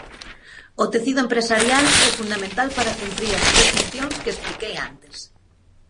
O tecido empresarial é fundamental para cumprir as tres funcións que expliquei antes.